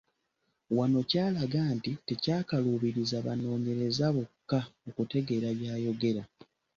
Wano kyalaga nti tekyakaluubiriza banoonyereza bokka okutegeera by’ayogera.